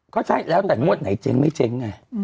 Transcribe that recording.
ก็ใช่แล้วแต่งวดไหนเจ๊งไม่เจ๊งไง